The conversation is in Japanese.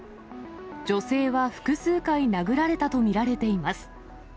女性は複数回殴られたと見られています。